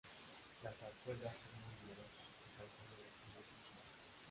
Las zarzuelas son muy numerosas, alcanzando los quinientos títulos.